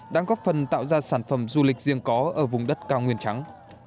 đang góp phần tạo ra sản phẩm du lịch riêng có ở vùng đất cao nguyên trắng